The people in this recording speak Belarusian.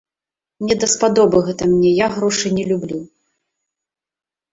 Не даспадобы гэта мне, я грошы не люблю.